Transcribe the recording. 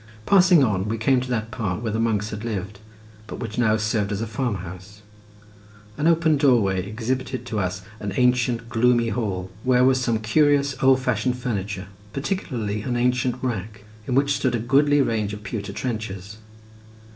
Passing on we came to that part where the monks had lived, but which now served as a farmhouse; an open door way exhibited to us an ancient gloomy hall, where was some curious old fashioned furniture, particularly an ancient rack, in which stood a goodly range of pewter trenchers.